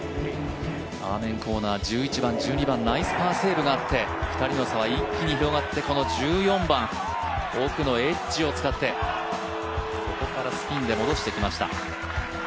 アーメンコーナー、１１番、１２番、ナイスパーセーブがあって２人の差は一気に広がってこの１４番奥のエッジを使って、ここからスピンで戻してきました。